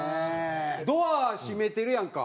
ドア閉めてるやんか。